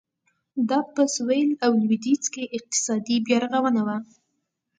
دا په سوېل او لوېدیځ کې اقتصادي بیارغونه وه.